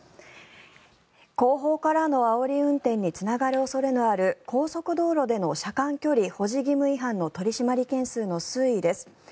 後方からのあおり運転につながる恐れのある高速道路での車間距離保持義務違反の取り締まり件数の推移です。